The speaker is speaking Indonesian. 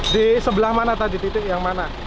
di sebelah mana tadi titik yang mana